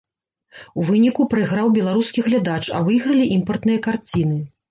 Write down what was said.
У выніку прайграў беларускі глядач, а выйгралі імпартныя карціны.